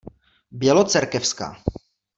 Bělocerkevská.